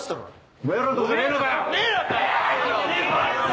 お前らんとこじゃねえのかよ。